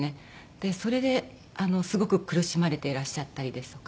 でそれですごく苦しまれていらっしゃったりですとか。